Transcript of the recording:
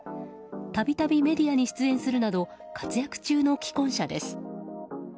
度々、メディアに出演するなど活躍中の既婚者です。